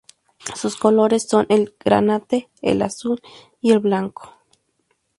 Sus colores son el granate, el azul y el blanco.